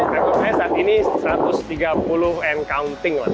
nah sepertinya saat ini satu ratus tiga puluh and counting